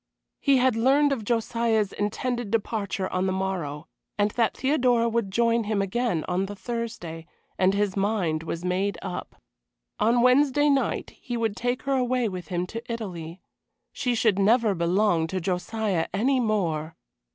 He had learned of Josiah's intended departure on the morrow, and that Theodora would join him again on the Thursday, and his mind was made up. On Wednesday night he would take her away with him to Italy. She should never belong to Josiah any more.